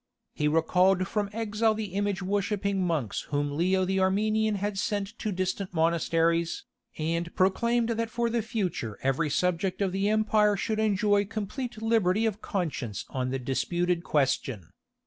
He recalled from exile the image worshipping monks whom Leo the Armenian had sent to distant monasteries, and proclaimed that for the future every subject of the empire should enjoy complete liberty of conscience on the disputed question.